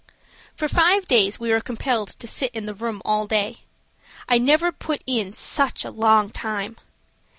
For five days we were compelled to sit in the room all day. I never put in such a long time.